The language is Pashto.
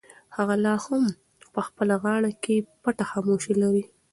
هغه لا هم په خپله غاړه کې پټه خاموشي لري.